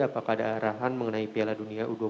apakah ada arahan mengenai piala dunia u dua puluh